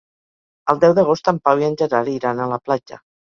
El deu d'agost en Pau i en Gerard iran a la platja.